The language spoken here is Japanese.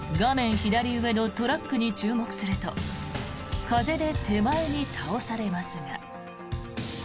左上のトラックに注目すると風で手前に倒されますが。